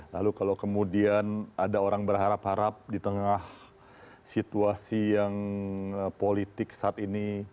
lalu kalau kemudian ada orang berharap harap di tengah situasi yang politik saat ini